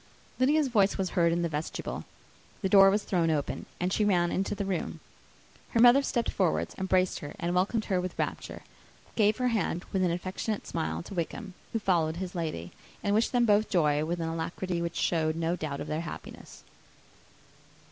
Lydia's voice was heard in the vestibule; the door was thrown open, and she ran into the room. Her mother stepped forwards, embraced her, and welcomed her with rapture; gave her hand with an affectionate smile to Wickham, who followed his lady; and wished them both joy, with an alacrity which showed no doubt of their happiness.